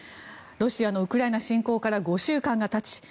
ロシアのウクライナ侵攻から５週間がたち